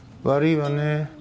悪いわね